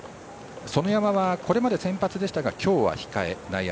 園山はこれまで先発でしたが今日は控え。